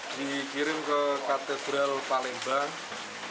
dikirim ke katedral palembang